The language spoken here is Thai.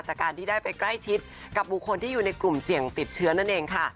จากการที่ได้ไปใกล้ชิดกับบุคคลที่อยู่ในกลุ่มเสี่ยงติดเชื้อนั่นเองค่ะ